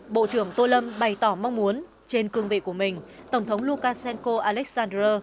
bộ trưởng tô lâm bày tỏ mong muốn trên cương vị của mình tổng thống lukashenko alessander